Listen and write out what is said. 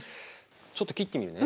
ちょっと切ってみるね。